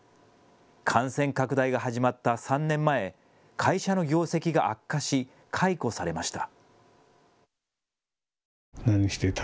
感染拡大が始まった３年前、会社の業績が悪化し解雇されました。